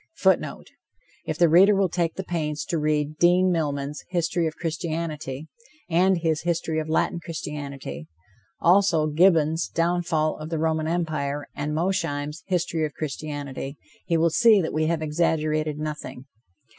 [Footnote: If the reader will take the pains to read Dean Milman's History of Christianity, and his History of Latin Christianity; also Gibbon's Downfall of the Roman Empire, and Mosheim's History of Christianity, he will see that we have exaggerated nothing.